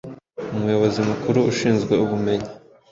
umuyobozi mukuru ushinzwe ubumenyi,